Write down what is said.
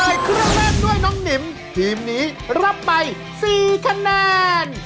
เครื่องแรกด้วยน้องหนิมทีมนี้รับไป๔คะแนน